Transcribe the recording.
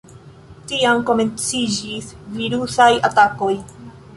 Tiam komenciĝis virusaj atakoj.